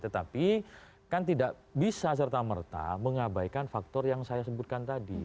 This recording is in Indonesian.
tetapi kan tidak bisa serta merta mengabaikan faktor yang saya sebutkan tadi